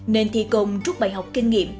nên thi công trúc bày học kinh nghiệm